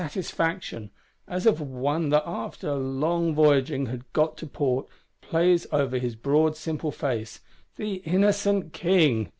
Satisfaction, as of one that after long voyaging had got to port, plays over his broad simple face: the innocent King!